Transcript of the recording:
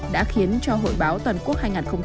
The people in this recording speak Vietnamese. đã khiến cho hội báo toàn quốc hai nghìn hai mươi ba